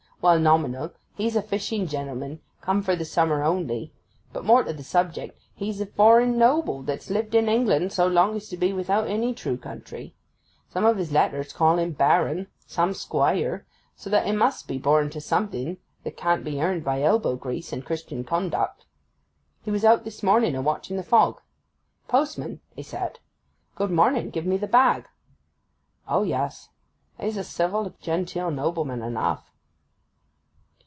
—Well, nominal, he's a fishing gentleman, come for the summer only. But, more to the subject, he's a foreign noble that's lived in England so long as to be without any true country: some of his letters call him Baron, some Squire, so that 'a must be born to something that can't be earned by elbow grease and Christian conduct. He was out this morning a watching the fog. "Postman," 'a said, "good morning: give me the bag." O, yes, 'a's a civil genteel nobleman enough.